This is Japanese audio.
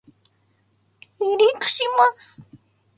離陸します